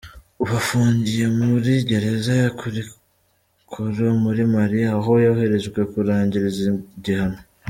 Ubu afungiye muri gereza ya Koulikoro muri Mali, aho yoherejwe kurangiriza igihano.